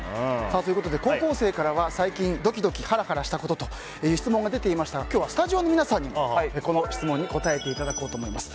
高校生からは、最近ドキドキハラハラしたことという質問が出ていましたが今日はスタジオの皆さんにこの質問に答えていただこうと思います。